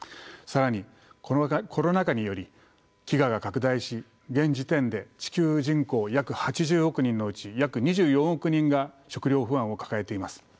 更にコロナ禍により飢餓が拡大し現時点で地球人口約８０億人のうち約２４億人が食糧不安を抱えています。